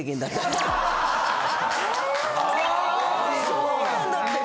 そうなんだって。